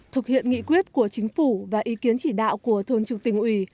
thực hiện nghị quyết của chính phủ và ý kiến chỉ đạo của thường trực tỉnh ủy